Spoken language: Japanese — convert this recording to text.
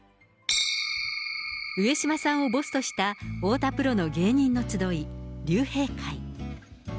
上島さんをボスとした太田プロの芸人の集い、竜兵会。